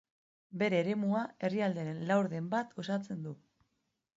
Bere eremua herrialdearen laurden bat osatzen du.